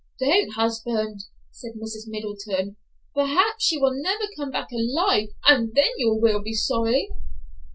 '" "Don't, husband," said Mrs. Middleton; "perhaps she will never come back alive, and then you will be sorry."